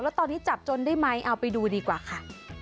แล้วตอนนี้จับจนได้ไหมเอาไปดูดีกว่าค่ะ